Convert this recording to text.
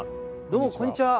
どうもこんにちは。